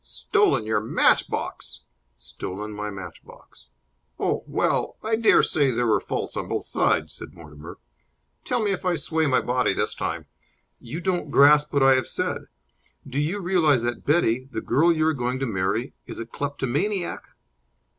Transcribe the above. "Stolen your matchbox?" "Stolen my matchbox." "Oh, well, I dare say there were faults on both sides," said Mortimer. "Tell me if I sway my body this time." "You don't grasp what I have said! Do you realize that Betty, the girl you are going to marry, is a kleptomaniac?"